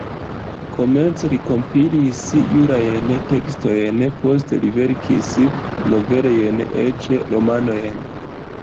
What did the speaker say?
Komence li kompilis jurajn tekstojn, poste li verkis novelojn, eĉ romanojn.